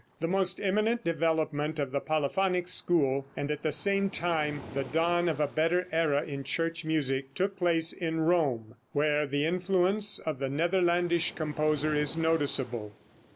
The most eminent development of the polyphonic school, and at the same time the dawn of a better era in church music, took place in Rome, where the influence of the Netherlandish composer is noticeable.